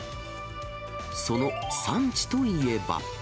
その産地といえば。